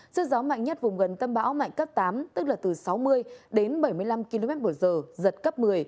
sức gió mạnh nhất vùng gần tâm bão mạnh cấp tám tức là từ sáu mươi đến bảy mươi năm km một giờ giật cấp một mươi